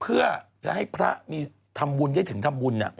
เพื่อจะให้พระมีทำบุญได้ถึงทำบุญ